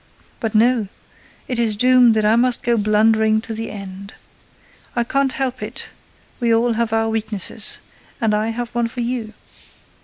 But no, it is doomed that I must go on blundering to the end. I can't help it, we all have our weaknesses—and I have one for you.